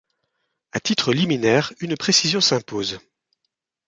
À titre liminaire, une précision s'impose.